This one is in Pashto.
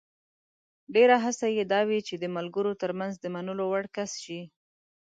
ډېره هڅه یې دا وي چې د ملګرو ترمنځ د منلو وړ کس شي.